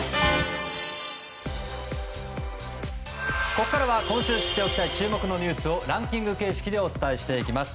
ここからは今週知っておきたい注目のニュースをランキング形式でお伝えしていきます。